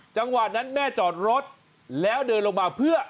จังหวะนั้นแม่จอดรถแล้วเดินลงมาเพื่อ